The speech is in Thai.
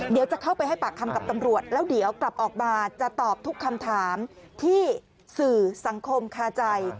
เดี๋ยวจะเข้าไปให้ปากคำกับตำรวจแล้วเดี๋ยวกลับออกมาจะตอบทุกคำถามที่สื่อสังคมคาใจ